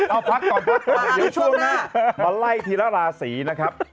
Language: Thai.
เอาพักต่อเดี๋ยวช่วงหน้ามาไล่ทีละลาศรีนะครับ